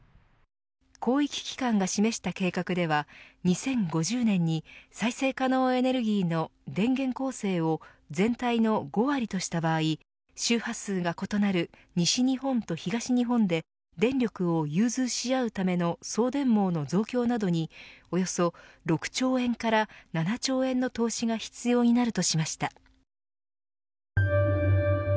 広域機関が示した計画では２０５０年に再生可能エネルギーの電源構成を全体の５割とした場合周波数が異なる西日本と東日本で電力を融通し合うための送電網の増強などにおよそ６兆円から７兆円の投資が必要になるとしました。